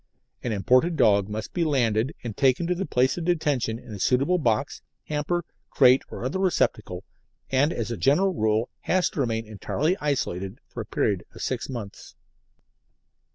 An imported dog must be landed and taken to its place of detention in a suitable box, hamper, crate or other receptacle, and as a general rule has to remain entirely isolated for a period of six months.